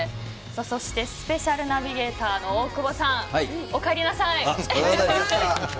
そしてスペシャルナビゲーターの大久保さんおかえりなさい！